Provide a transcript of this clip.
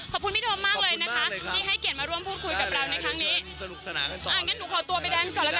ขอบคุณพี่โดมมากเลยนะคะที่ให้เกียรติมาร่วมพูดคุยกับเราในครั้งนี้